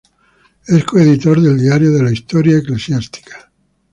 Es coeditor del Diario de la historia eclesiástica.